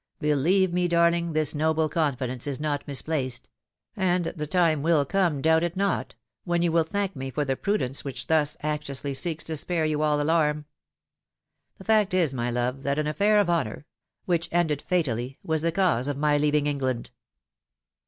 Believe me, darling, this noble confidence is not misplaced ; and the time will come, doubt it not, when you will thank me for the prudence which thus anxiously seeks to spare you all alarm. The fact is, my love, that an affair of honour," which ended fatally, was the cause of my leaving England."